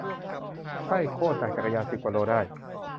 ใช่ โคตรหนัก จักรยาน สิบกว่าโลได้